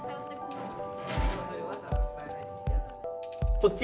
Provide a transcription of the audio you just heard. こっち。